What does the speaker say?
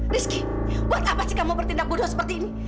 rizky buat apa sih kamu bertindak bodoh seperti ini